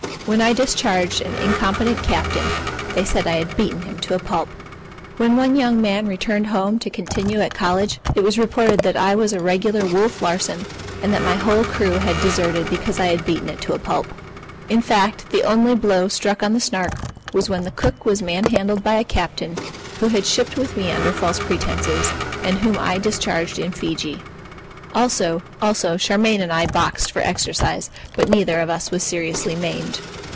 When I discharged an incompetent captain, they said I had beaten him to a pulp. When one young man returned home to continue at college, it was reported that I was a regular Wolf Larsen, and that my whole crew had deserted because I had beaten it to a pulp. In fact the only blow struck on the Snark was when the cook was manhandled by a captain who had shipped with me under false pretences, and whom I discharged in Fiji. Also, Charmian and I boxed for exercise; but neither of us was seriously maimed.